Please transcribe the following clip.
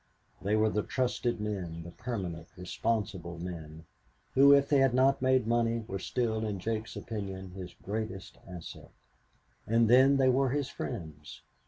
They were the trusted men, the permanent, responsible men, who, if they had not made money, were still in Jake's opinion his greatest asset. And then they were his friends.